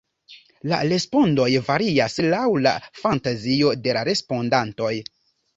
La respondoj varias laŭ la fantazio de la respondantoj.